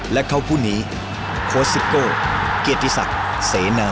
และเข้าผู้หนีโคสิโก้เกียรติศักดิ์เสนาเมอร์